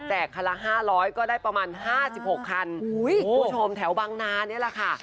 คันละ๕๐๐ก็ได้ประมาณ๕๖คันคุณผู้ชมแถวบังนานี่แหละค่ะ